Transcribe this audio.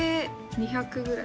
２００ぐらい。